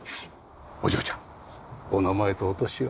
お嬢ちゃんお名前とお年を。